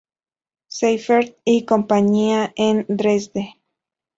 Seifert y compañía, en Dresde.